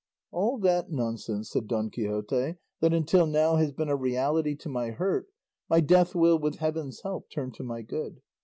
"All that nonsense," said Don Quixote, "that until now has been a reality to my hurt, my death will, with heaven's help, turn to my good.